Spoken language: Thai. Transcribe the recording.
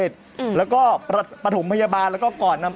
โอ้โหโอ้โหโอ้โหโอ้โหโอ้โห